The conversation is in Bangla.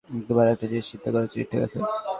একবারে একটা জিনিস চিন্তা করেন, ঠিক আছে?